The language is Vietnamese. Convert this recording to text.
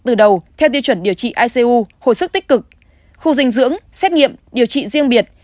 từ đầu theo tiêu chuẩn điều trị icu hồi sức tích cực khu dinh dưỡng xét nghiệm điều trị riêng biệt